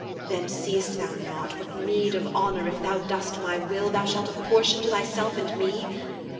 Then seest thou not What meed of honour, if thou dost my will, Thou shalt apportion to thyself and me?